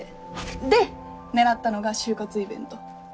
で狙ったのが就活イベント。